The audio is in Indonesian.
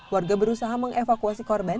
warga berusaha mengevakuasi korban